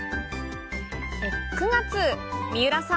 ９月、三浦さん。